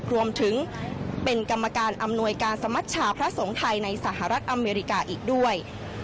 รวมถึงเป็นกรรมการอำนวยการสมัชชาพระสงฆ์ไทยในสหรัฐอเมริกาอีกด้วย